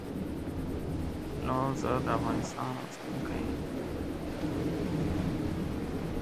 Kenyon was born in Wordsley, Staffordshire.